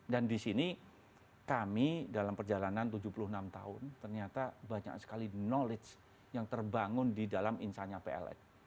dan di sini kami dalam perjalanan tujuh puluh enam tahun ternyata banyak sekali knowledge yang terbangun di dalam insanya pln